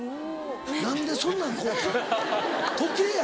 何でそんなん買うたん？